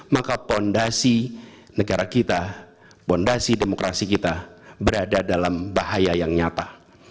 maka fondasi negara kita fondasi demokrasi kita berada dalam bahaya yang nyata